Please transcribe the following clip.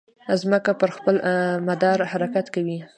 مځکه پر خپل مدار حرکت کوي.